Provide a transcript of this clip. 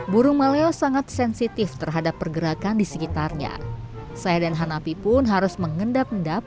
burung maleo sangat sensitif terhadap pergerakan di sekitarnya saya dan hanapi pun harus mengendap endap